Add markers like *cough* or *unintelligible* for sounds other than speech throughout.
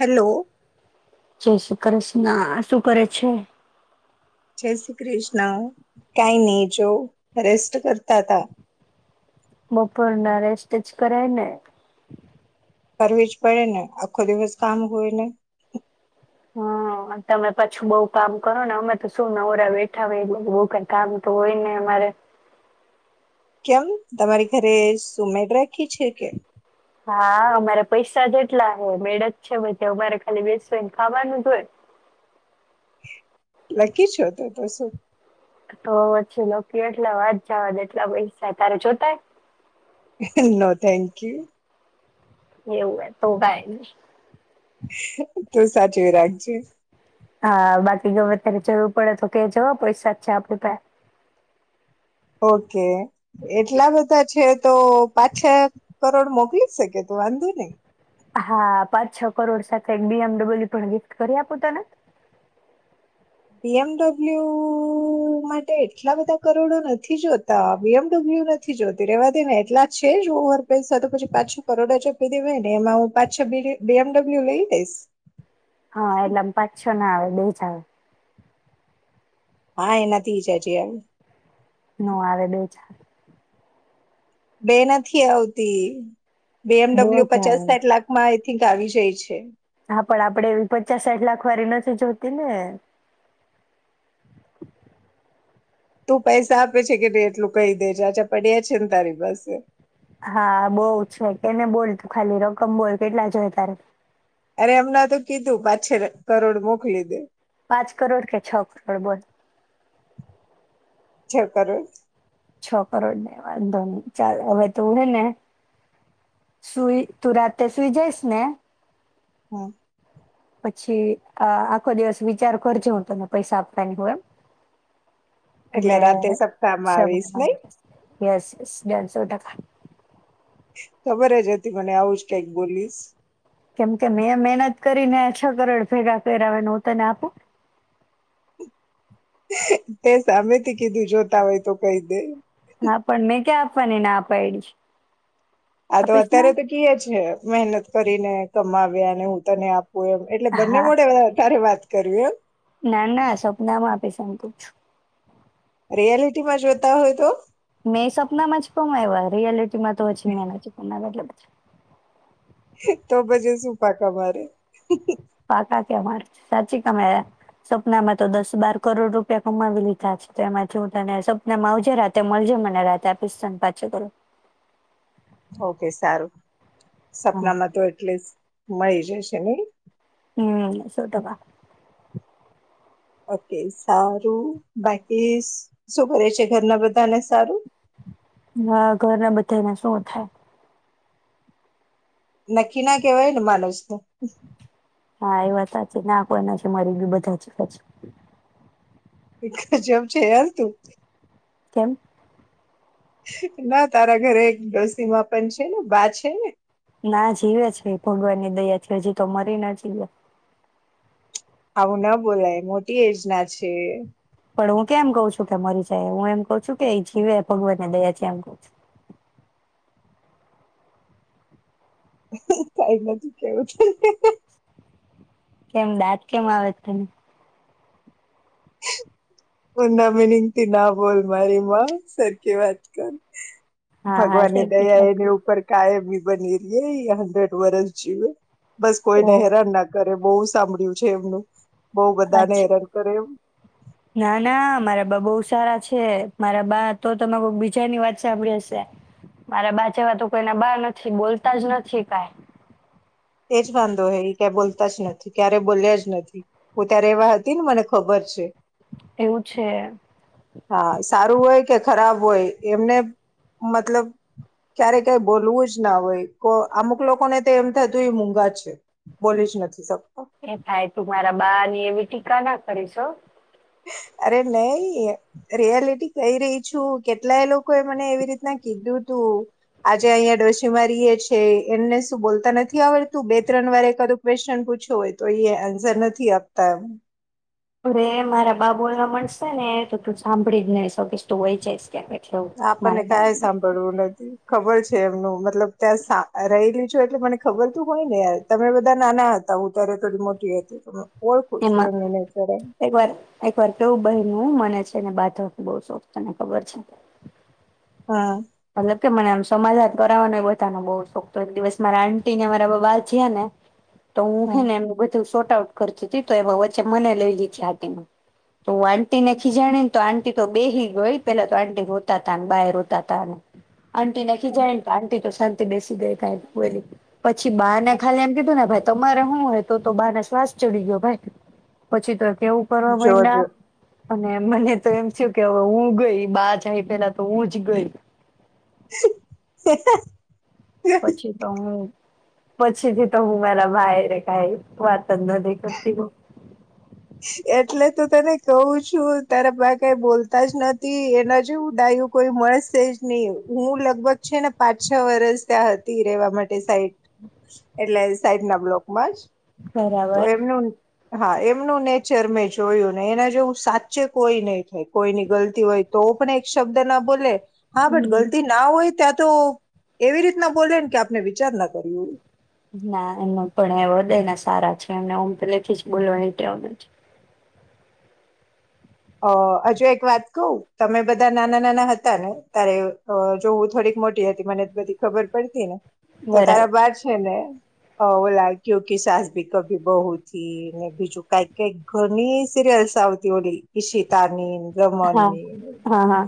Hello જય કરશ ના શું કરે છે? જય શ્રી કૃષ્ણ કાંઈ નહી જો હરેસ્ટ કરતા હતા. બપોરના રેસ્ટ જ કરાય ને. કરવી જ પડે ને આખો દિવસ કામ હોયને. હમ તમે પાછું બવ કામ કરો ને અમે તો શું નવરા બેઠા હોય એ બવ કે કામ તો હોય ને અમારે. કેમ તમારી ઘરે સુ મેડ રાખી છે કે? હા, અમારે પૈસા જેટલા હે, મેડ જ છે બધે, અમારે ખાલી બેસીને ખાવાનું જ હોય. લકી છો. તો તો શું? તો પછી લકી એટલા વાત જવા દે એટલા પૈસા હે તારે જોતા હે? નો. Thank you. એવુ હે તો કાય નય. તુ સાચવી રાખજે. હા. બાકી ગમે ત્યારે જરૂર પડે તો કેજો હો પયસા જ છે આપડી પાહે. ઓકે. એટલા બધા છે તો પાંચ-છ કરોડ મોકલી શકે તું વાંધો નઈ. હા. પાંચ છ કરોડ સાથે એક બીએમડબલ્યુ પણ ગિફ્ટ કરી આપું તને? બીએમડબલ્યુ માટે એટલા બધા કરોડો નથી જોતા બીએમડબલ્યુ નથી જોતી રેવા દે ને એટલા છે જ ઓવર પેસા તો પછી પાંચ-છ કરોડ જ આપી દેવાય ને એમાં હું પાંચ-છ બીએમડબલ્યુ લઈ લઈશ. હા. એટલે એમ પાંચ-છ ના આવે. દય જા હવે. હા. એનાથી જ હજી આવે. નો આવે બેહિજા બે નથી આવતી. બે બીએમડબ્લ્યુ જ પચાસ આવે સાઠ લાખમાં થીંક આવી જાય છે. હા, પણ આપડે એવી પચાસ સાઠ લાખ વાળી નથી જોતી ને. તું પૈસા આપે છે કે નહીં એટલું કહી દે જે જાજા પડ્યા છે ને તારી પાસે હા બહુ છે. એ ને બોલ ખાલી રકમ બોલ કેટલા જોયે તારે? અરે એમના તો કીધું પા છ કરોડ મોકલી દે. પાંચ કરોડ કે છ કરોડ બોલ? છ કરોડ. છ કરોડ ને વાંધો ન ચાલ હવે તું હે ને સુઈ તું રાતેે સુઈ જઈશ ને હમ્મ. પછી અ આખો દિવસ વિચાર કરજો. હું તને પૈસા આપવાની હોય એમ એટલે રાતે સપ્તાહ માં સવારે આવીશ નઈ? આવી જશે. યસ યસ ડન સો ટકા. ખબર જ હતી મને આવુંજ કંઈક બોલીશ. કેમ કે મેં મહેનત કરીને છ કરોડ ભેગા કયરા હોય ને હું તને આપું? તે સામેથી કીધું જોતા હોય તો કહી દે. હા. પણ મેં ક્યા આપવાને ના પાયડી છે. આ તો અત્યારે તો કીએ છે મહેનત કરીને. કમાંવ્યા અને હું તને આપ ઇ એમ એટલે બંને હા મોઢે અ તારે વાત કરવી. કુછ રિયાલિટી માં જોતા હોય તો હું એવા રિયાલિટી એમાં તો હજી મેં નથી કમાયવા એટલે *inaudible* તો પછી શું ફાંફા મારે? પાકા કે માર સાચી કમાયા સપનામાં તો દસ બાર કરોડ રૂપિયા કમાવી લીધા છે, તો એમાંથી હું તને સપના માં આવજે રાતે મળજે મને રાતે આપીસ તને પાંચ- છ કરોડ. ઓકે સારું. હા. સપનામાં તો એટલિસ્ટ મળી જશે નહી. હમ સો ટકા. ઓકે સારું બાકી શું કરે છે ઘરના બધાને સારું? હા ઘરના બધાને શું થાય? નક્કી ના કવાય ને માનસનું. હા એ વાત સાચી ના કોઈ નથી મરી ગયું બધા જીવે છે. એ ગજબ છે યાર તું. કેમ? ના તારા ઘરે એક ડોસીમા પણ છે ને બા છે ને? ના જીવે છે ભગવાનની દયા થી હજી તો મરી ના જીવે. આવું ન બોલાય મોટી એજના છે. પણ હું કેમ કઉ છું કે મરી જાય હું એમ કઉ છું કે એ જીવે ભગવાનને દયા છે એમ કવ છું. કઈ નથી કેવું તને. કેમ દાંત કેમ આવે છે તને? ઊંધા મિનિંગ થી ના બોલ મારી માં સરખી વાત કર. હા હા ભગવાનની સરખી જ દયા વાત એની કરું. ઉપર કાયમ બની રહી હંડ્રેડ વરસ જીવે બસ કોઈ નને ઓ હેરાન ના કરે બહુ સાંભળ્યું છે એમનું બઉ બધાને અચ્છા હેરાન કરે એમ ના, ના, મારા બા બહુ સારા છે મારા બા તો તમે કોઈ બીજાની વાત સાંભળી હશે, મારા બા જેવા તો કોઈના બા નથી બોલતા જ નથી કાઈ તેજ બંધ હોય એ ક્યા બોલતા જ નથી ક્યારે બોલ્યા જ નથી, હું ત્યારે એવા હતી ને મને ખબર છે એવું છે હા સારું હોય કે ખરાબ હોય એમને મતલબ ક્યારે કઈ બોલવું જ ના હોય, કો અમુક લોકોને તો એમ થતું મૂગા છે, બોલી જ નથી શકત એ ભાઈ તું મારા બા ની એવી ટીકા ના કરીશો અરે નહી રિયાલટી કઈ રહી છું કેટલાય લોકોએ મને એવી રીતના કીધું તું, આજે અહીયા ડોશીમાં રેયએ છે એમને શું બોલતા નથી આવડતું બે, ત્રણ, વાર કું ક્વેશ્ચન પૂછો હોય તો એ આન્સર નથી આપતા અરે મારા બાબુને મળશે ને તો તું સાંભળી જ નહી શકેશ તું વઈ જઈશ ક્યાંક એટલે એવું. આપણને મારા બા કઈ સાંભળવું નથી ખબર છે એમનું મતલબ ત્યાં રહેલી એટલે મને ખબર થી હોય ને, તમે બધા નાના હતા હું ત્યારે થોડી મોટી હતી ઓળખું છું એમાં એમને નેચર કેવું બયનું હું મને છે ને બાધવાનો બવ શોખ તને ખબર છે. હા. મતલબ કે મને આમ સમાધાન કરાવાનોય બધાનો બહ શોખ તો એક દિવસ મારા આંટી ને મારા બધા બાધ્યા ને તો હું હે હા ને એમનું બધું શોર્ટ આઉટ કરતી હતી તો એમાં વચ્ચે મને લઈ લીઘી આટીમાં. તો આંટીને ખિજાણી ને તો આં તો બેહી ગય પેલા તો આંટી રોતાતા ને બાય રોતાતા ને હમ. આંટીને ખીજાયને તો આન્ટી તો શાંતિથી બેસી ગઈ કાય ન બોયલી. પછી બા ને ખાલી એમ કીધું ને ભાઈ તમારે હું હે, તા તો બાને શ્વાસ ચડી ગયો ભાઈ પછી તો એવું કરવા મયન્ડા જોજો અને મને તો એમ થયું કે હવે હું ગઈ બા જઈ પેલા તો હું જ ગઈ. *inaudible* પછી તો હું પછીથી તો હું મારા બધા હારે કઈ વાત જ નથી કરતી બવ. એટલે તો તને કવ છું તારા બા કઈ બોલતા જ નથી. એના જેવું ડાયુ કોઈ મળશે જ નય. હું લગભગ છે ને પાંચ છ વરસ ત્યાં હતી રેવા માટે સાઈટ એટલે સાઈટ ના બ્લોક માં જ બરાબર. તો એમનું હા એ. એમનું નેચર મેં જોયું ને એના જોવું સાચે કોઈ નહી થાય કોઈની ગલતી હોય તો પણ એક શબ્દ ના બોલે. હા બટ હમ ગલતી ના હોય ત્યાં તો એવી રીતના બોલેને કે આપને વિચાર ના કરયૂ. ના એમ પણ એ વધદય ના સારા છે એમને હમ પેલે થી જ બોલવાણી ટેવ છ. અ હજુ એક વાત કવ તમે બધા નાના નાના હતા ને તારે જોવું થોડીક મોટી હતી મને બધી ખબર પડતી ને તો બરાબર તારા બાર છે ને હ ઓલા કુકી સાસબી કભી બહુ થી ને બીજું કઈક કઈક ઘણી સિરિયલ્સ આવતી ઓલી ઈ શીતાની હા રમનની હા હા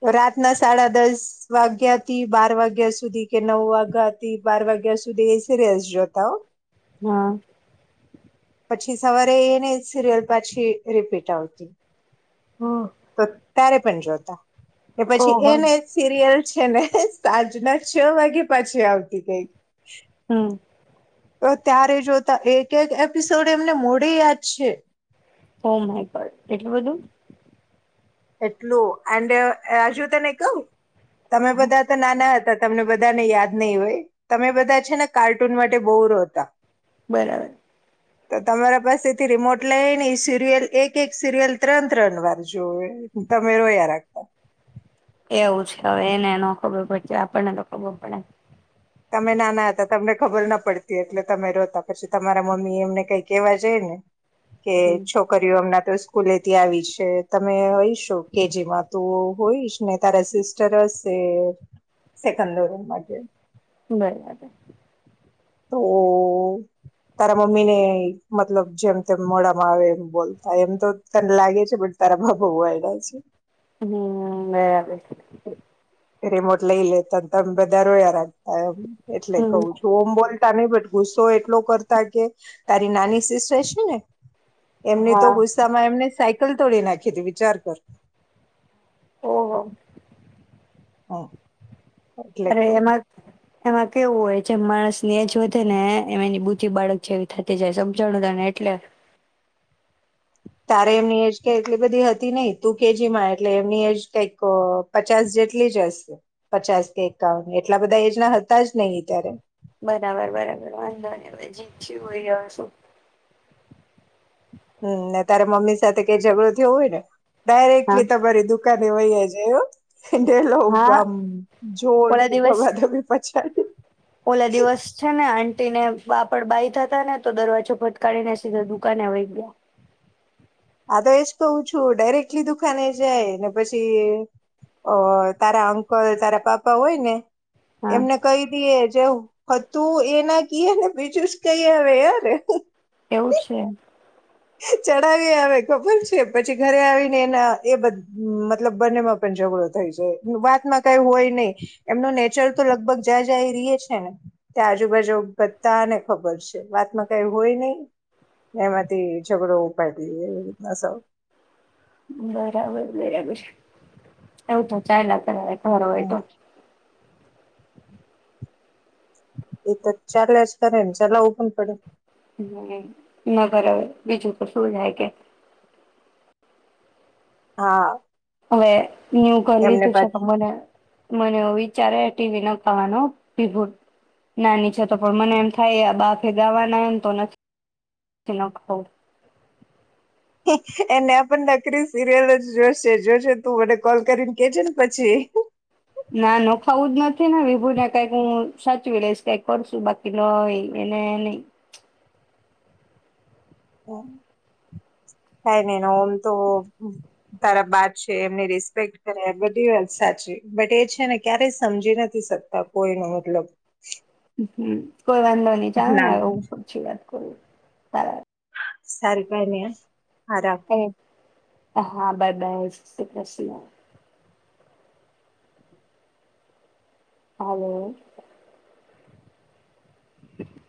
તો રાતના સાડા દસ વાગ્યાથી બાર વાગ્યા સુધી કે નવ વાગ્યાથી બાર વાગ્યા સુધી એ સ રસ જોતા હ. હા. પછી સવારે એને સિરિયલ પાછી રિપીટ આવતી. હમ કત. ત્યારે પણ જોતા. એ પછી ઓહો એને એ સીરિયલ છે ને સાંજના છ વાગે પાછી આવતી કઈક હમ્મ. તો ત્યારે જોતા એક એક એપિસોડ એમને મોઢે યાદ છે. ઓ માય ગોડ એટલું બધું! એટલું એન્ડ હજુ તને કવું. તમે બધા તો નાના હતા. તમને બધા ને યાદ નહીં હોય તમે બધા છે ને કાર્ટૂન માટે બહુ રોતા. બરાબર. તો તમારા પાસે થી રિમોટ લઈની સિરિયલ એક એક સિરિયલ ત્રણ ત્રણ વાર જોવે. તમે રોયા રાખતા. એવું છે હવે એને ન ખબર પડતી આપણને તો ખબર પડે. તમે નાના હતા તમને ખબર ના પડતી એટલે તમે રોતા પછી તમારા મમ્મી એમને કઈ કેવા જાય ને. કે હમ છોકરીઓ એમના. સ્કૂલેથી આવી છે તમે હયશો કેજી માં તું હોઈશ ને તારા સિસ્ટર હશે સેકન્ડરી મા કે. બરાબર. તો તારા મમ્મી ને મતલબ જેમ તેમ મોઢામાં આવે એમ બોલતા એમ તો તને લાગે છે બ તારા ભાભુ વાયડા છે. હમ બરાબર. રિમોટ લઈ લેતા તમે બધા રોયા રાખ એટલે કવું હમ છું ઓમબોલ. *inaudible* નહી બટ ગુસ્સો એટલો કરતા કે તારી નાની સિસ્ટર છે ને. એમની તો હા ગુસ્સામાં એમને સા કલ તોડી નાખી હતી વિચાર કર. ઓહ! હા. અરે એમાં એમાં કેવું હોય જેમ માણસ ને એજ વધે ને એમ એની બુધી બાળક જેવી થતી જાય સમજાણું ત ને એટલે. તારે એમની એજ કે એટલી બધી હતી નહિ તુ કેજી માં એટલે એમની એજ કઈક પચાસ જેટલી જ હશે પચાસ કે એકાઉ એટલા બધા એજ ના હતા જ નહિ અત્યારે. બરાબર બરાબર વાંધો ને ભાઈ જી જી હોય રહ શું. હમ ને તારે મમ્મી સાથે કઈ ઝઘડો થયો હોય ને હા ડાયરેક્ટલી તમારી દુકાને ઘરે હોય એજ એનેલો હા આમ જોર ઓલા કે દિવસ ધવા ધવી પછી સા *unintelligible* ઓલા દિવસ છે ને આ તેને પાપડ બાાય થતા ને તો દરવાજો ફટકારીને સીધા દુકાને વય ગયા. હા તો એજ કવું છું ડાયરેક્ટલી દુકાને જાય ને પછી, અ તારા અંકલ તારા પાપા હોય ને હા એમને કહી દીએ. જવું તું એના કએ ને બીજું જ કઈ હ ય ર. એવું છે ચડાવી આવે ખબર છે પછી ઘરે આવીને એના એ મતલબ બંનેમાં પણ ઝઘડો થઈ જાય, વાતમાં કઈ હોય નહી, એમનું નેચર તો લગભગ જ્યાં જાય રહી છે, ને ત્યાં આજુબાજુ બધાને ખબર છે વાતમાં કઈ હોય નહી, એમાંથી હો ઉપાય રીતના બરાબર બરાબર છે, આવ તો ચા લ કર. હરોટો. એ તો ચાલે જ કરેને ચલાવવું પણ પડે. ના બરાબર, બીજું તો શું જાય કે હા. હવે ન્યુ ઘર એમને લીધું છે પાછ તો મને મને એવો વિચાર આવ્યો ટીવી નખાવાનો, વિભૂત નાની છે તો પણ મને એમ થાય આ બાફે ગાવાના હોય તો નથ નથી નખાવું. એને પણ નકરી સિરિયલ જ જોશે જોશે તું મને કોલ કરીને કેજે ને પછી. ના નખાવું જ નથી ને વિભુને કઈક હું સાચવી લઈશ કઈ કરશું બાકી ન એને નહી. કઈ નઈ આમ તો તારા બા છે એમની રિસ્પેક્ટ કરે બધી વાત સાચી બટ એ છે ને ક્યારેય સમજી નથી શકતા કોઈ ન મતલબ. હં. કોઈ વાંધો નહી ચાલ ને ના હવે હું પછી વાત કરું. તારા સારું કઈ નહિ હો. આદબ. અરે હા બાય બેસ્ટ *unintelligible* હાલો. *inaudible*